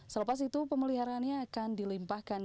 selepas itu pemeliharaannya akan dilimpahkan